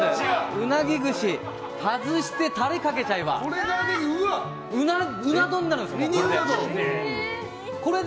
うなぎ串を外してタレかけちゃえばうな丼になるんですよ、これで。